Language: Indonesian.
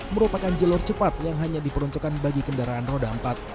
merupakan jalur cepat yang hanya diperuntukkan bagi kendaraan roda empat